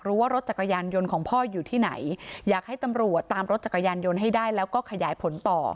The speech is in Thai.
ต่ำรถจักรยานยนต์หยุดไคร่ที่จะจักรยานยนต์ให้ได้แล้วก็ขยายผลต่อ